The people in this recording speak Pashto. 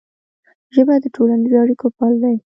ژبه د ټولنیزو اړیکو پل دی.